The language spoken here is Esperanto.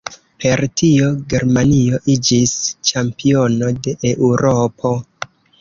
Per tio Germanio iĝis ĉampiono de Eŭropo.